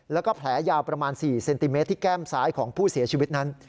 แล้วก็แผลยาวประมาณ๔เซนติเมตรที่แก้มซ้ายของผู้เสียชีวิตนั้น